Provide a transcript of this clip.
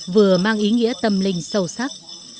vừa mang ý nghĩa tâm linh sâu sắc